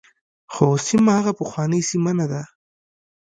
خو سیمه هغه پخوانۍ سیمه نه ده.